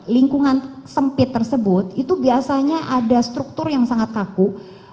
lingkungan sempit tersebut itu biasanya ada struktur yang sangat kaku